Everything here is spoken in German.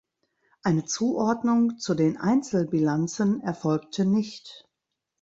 Eine Zuordnung zu den Einzelbilanzen erfolgte nicht.